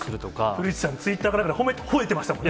古市さん、ツイッターがらみでほえてましたもんね。